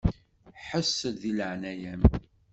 Ḥess-d di leɛnaya-m.